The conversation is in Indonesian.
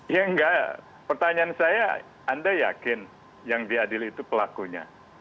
ya enggak pertanyaan saya anda yakin yang diadil itu pelakunya